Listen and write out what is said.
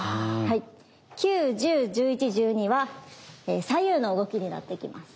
９１０１１１２は左右の動きになってきます。